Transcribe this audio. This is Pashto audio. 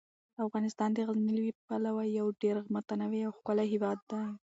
افغانستان د غزني له پلوه یو ډیر متنوع او ښکلی هیواد دی.